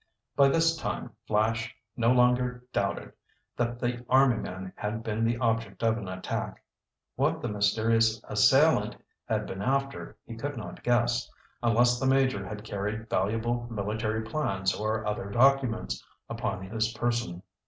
By this time Flash no longer doubted that the army man had been the object of an attack. What the mysterious assailant had been after he could not guess, unless the Major had carried valuable military plans or other documents upon his person.